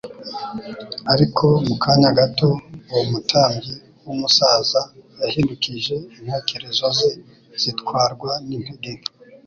Ariko mu kanya gato, uwo mutambyi w'umusaza yahindukije intekerezo ze zitwarwa n'intege nke